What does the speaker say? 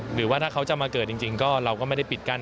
หรือว่าถ้าเขาจะมาเกิดจริงก็เราก็ไม่ได้ปิดกั้น